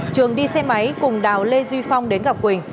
trường đi xe máy cùng đào lê duy phong đến gặp quỳnh